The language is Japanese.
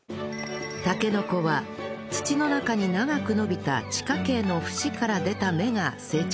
たけのこは土の中に長く伸びた地下茎の節から出た芽が成長したもの